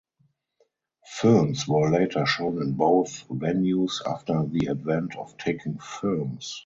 Films were later shown in both venues after the advent of talking films.